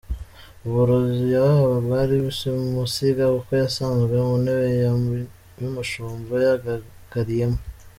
Uburozi yahawe bwari simusiga kuko yasanzwe mu ntebe ye y’umushumba yagagariye mo.